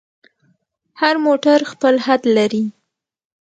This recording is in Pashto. هر موټر خپل حد لري.